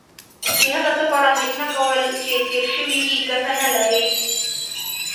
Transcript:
د هغه څه په اړه اندېښنه کول چې تیر شوي وي کټه نه لرې